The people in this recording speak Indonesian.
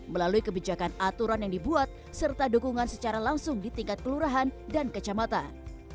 melalui kebijakan aturan yang dibuat serta dukungan secara langsung di tingkat kelurahan dan kecamatan